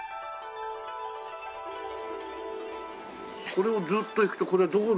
これをずっと行くとこれはどこに？